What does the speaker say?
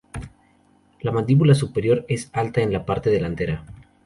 La mandíbula superior es alta en la parte delantera.